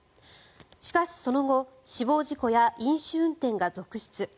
しかし、その後死亡事故や飲酒運転が続出。